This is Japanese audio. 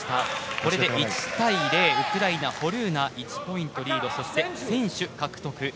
これで１対０ウクライナ、ホルーナ１ポイントリードそして先取獲得。